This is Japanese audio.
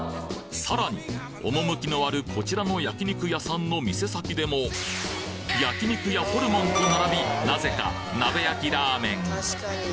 さらに趣のあるこちらの焼肉屋さんの店先でも焼肉やホルモンと並びなぜか「鍋焼ラーメン」